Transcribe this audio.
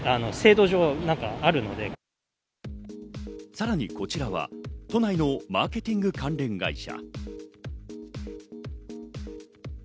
さらにこちらは都内のマーケティング関連会社。